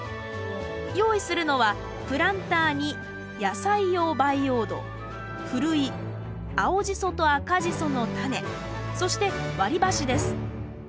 用意するのはプランターに野菜用培養土ふるい青ジソと赤ジソのタネそして割り箸です